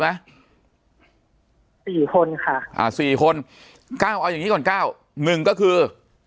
ปากกับภาคภูมิ